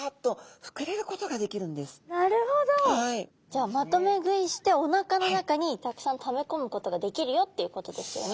じゃあまとめ食いしておなかの中にたくさんためこむことができるよっていうことですよね？